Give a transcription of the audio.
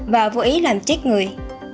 và vô ý làm chết người